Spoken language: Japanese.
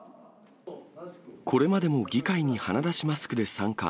これまでも議会に鼻出しマスクで参加。